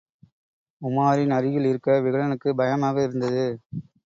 உமாரின் அருகில் இருக்க விகடனுக்குப் பயமாக இருந்தது.